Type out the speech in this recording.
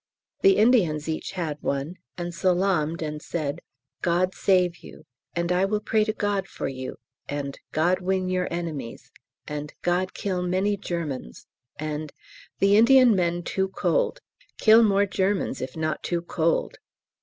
The Indians each had one, and salaamed and said, "God save you," and "I will pray to God for you," and "God win your enemies," and "God kill many Germans," and "The Indian men too cold, kill more Germans if not too cold."